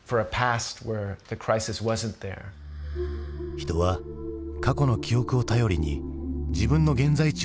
人は過去の記憶を頼りに自分の現在地を確かめる。